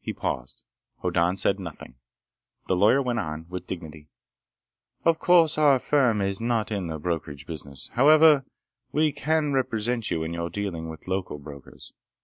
He paused. Hoddan said nothing. The lawyer went on, with dignity: "Of course our firm is not in the brokerage business. However, we can represent you in your dealing with local brokers.